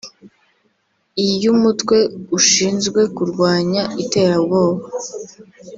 iy’umutwe ushinzwe kurwanya iterabwoba